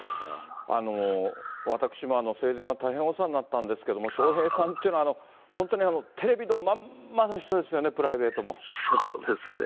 私も生前は大変お世話になったんですけど、笑瓶さんっていうのは、本当にテレビのまんまの人ですよね、そうですね。